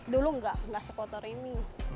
dulu enggak enggak sekotor ini